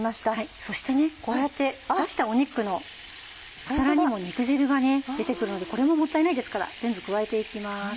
そしてこうやって出した肉の皿にも肉汁が出て来るのでこれももったいないですから全部加えて行きます。